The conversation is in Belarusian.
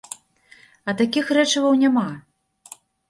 А такіх рэчываў няма!